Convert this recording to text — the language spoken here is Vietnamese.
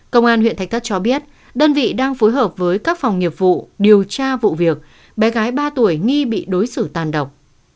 công an huyện thạch thất cho biết đơn vị đang phối hợp với các phòng nghiệp vụ điều tra vụ việc bé gái ba tuổi nghi bị đối xử tàn độc